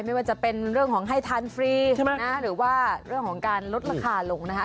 ไม่ว่าจะเป็นเรื่องของให้ทานฟรีนะหรือว่าเรื่องของการลดราคาลงนะคะ